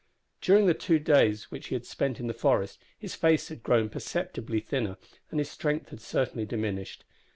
During the two days which he had spent in the forest his face had grown perceptibly thinner, and his strength had certainly diminished.